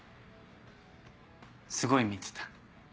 すごい見てた。